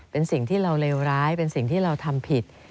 เป็นสิ่งที่เราเลวร้ายเป็นสิ่งที่เราทำผิด